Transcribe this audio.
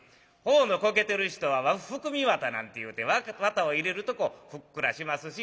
頬のこけてる人は含み綿なんていうて綿を入れるとふっくらしますし。